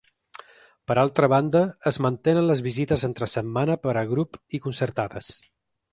Per altra banda es mantenen les visites entre setmana per a grup i concertades.